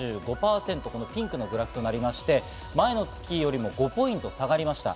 ピンクのグラフとなりまして、前の月よりも５ポイント下がりました。